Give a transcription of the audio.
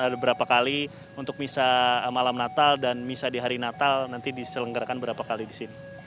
ada berapa kali untuk misa malam natal dan misa di hari natal nanti diselenggarakan berapa kali di sini